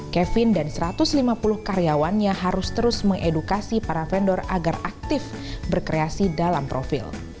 kevin dan satu ratus lima puluh karyawannya harus terus mengedukasi para vendor agar aktif berkreasi dalam profil